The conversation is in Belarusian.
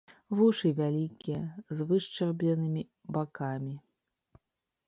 Вушы вялікія, з вышчарбленымі бакамі.